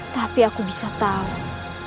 tapi aku bisa terima